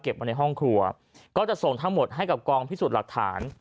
มาในห้องครัวก็จะส่งทั้งหมดให้กับกองพิสูจน์หลักฐาน